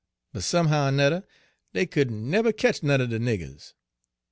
But somehow er nudder dey couldn' nebber ketch none er de niggers.